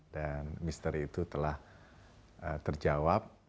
dan misteri itu telah terjawab